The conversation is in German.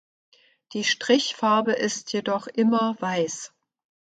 Die Strichfarbe ist jedoch immer weiß.